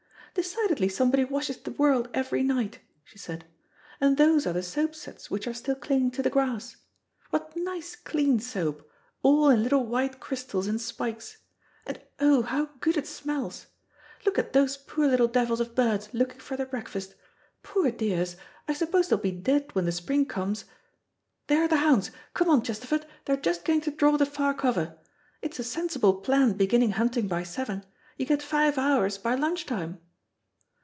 "Decidedly somebody washes the world every night," she said, "and those are the soapsuds which are still clinging to the grass. What nice clean soap, all in little white crystals and spikes. And oh, how good it smells! Look at those poor little devils of birds looking for their breakfast. Poor dears, I suppose they'll be dead when the spring comes. There are the hounds. Come on, Chesterford, they're just going to draw the far cover. It is a sensible plan beginning hunting by seven. You get five hours by lunch time."